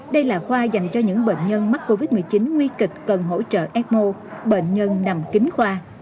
đây là khoa dành cho những bệnh nhân mắc covid một mươi chín nguy kịch cần hỗ trợ ecmo bệnh nhân nằm kính khoa